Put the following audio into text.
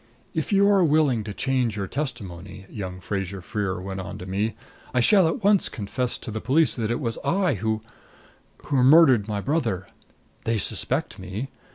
"If you are willing to change your testimony," young Fraser Freer went on to me, "I shall at once confess to the police that it was I who who murdered my brother. They suspect me.